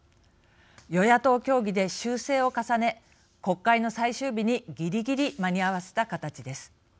与野党協議で修正を重ね国会の最終日にぎりぎり間に合わせた形です。